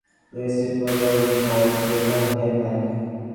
The estate was originally called Sylvan Headland.